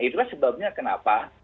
itulah sebabnya kenapa